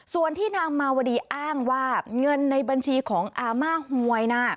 ส่วนที่นางมาวดีอ้างว่าเงินในบัญชีของอาม่าหวยนะ